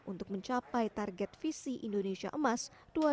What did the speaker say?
untuk mencapai target visi indonesia emas dua ribu dua puluh